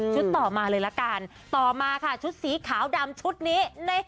ต่อมาเลยละกันต่อมาค่ะชุดสีขาวดำชุดนี้